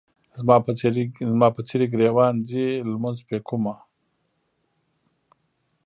زما په څېرې ګریوان ځي لمونځ پې کومه.